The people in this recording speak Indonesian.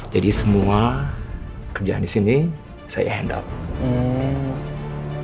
jadi semua kerjaan disini saya handle